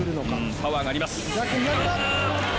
パワーがあります。